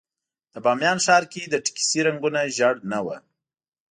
د بامیان ښار کې د ټکسي رنګونه ژېړ نه وو.